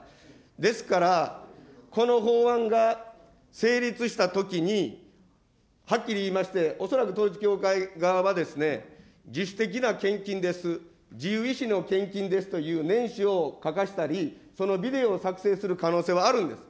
ですから、この法案が成立したときにはっきり言いまして、恐らく統一教会側は、自主的な献金です、自由意思の献金ですという念書を書かせたり、ビデオを作成する可能性はあるんです。